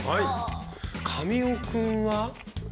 神尾君は。